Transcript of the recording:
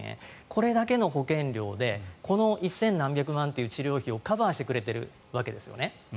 これだけの保険料でこの１０００何百万という治療費をカバーしてくれているわけです。